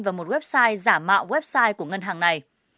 vào một website giả mạo website của ngân hàng này